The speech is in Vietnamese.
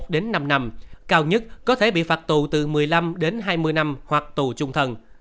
đến năm năm cao nhất có thể bị phạt tù từ một mươi năm đến hai mươi năm hoặc tù trung thân